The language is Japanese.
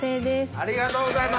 ありがとうございます。